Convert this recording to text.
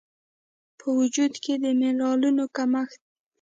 په وجود کې د مېنرالونو کمښت